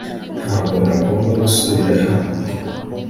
ntabwo nagomba gusubira hano